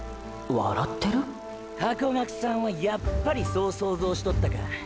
笑ってる⁉ハコガクさんはやっぱりそう想像しとったか。